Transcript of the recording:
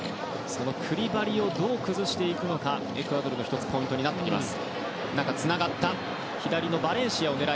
そのクリバリをどう崩していくかがエクアドルの１つポイントになってきます。